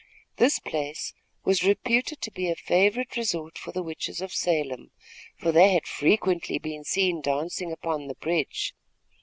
This place was reputed to be a favorite resort for the witches of Salem, for they had frequently been seen dancing upon the bridge.